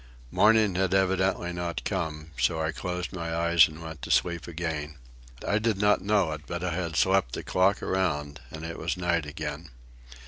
Morning had evidently not come, so I closed my eyes and went to sleep again. I did not know it, but I had slept the clock around and it was night again.